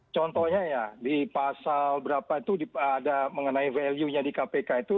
contohnya ya di pasal berapa itu ada mengenai value nya di kpk itu